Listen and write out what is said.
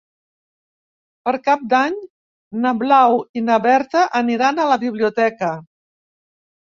Per Cap d'Any na Blau i na Berta aniran a la biblioteca.